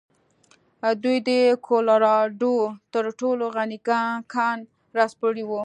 دوی د کولراډو تر ټولو غني کان راسپړلی و.